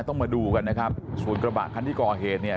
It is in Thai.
ต้องมาดูกันนะครับส่วนกระบะคันที่ก่อเหตุเนี่ย